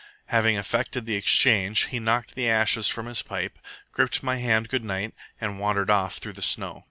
Having effected the exchange, he knocked the ashes from his pipe, gripped my hand good night, and wandered off through the snow.